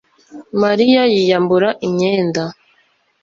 Mariya yiyambura imyenda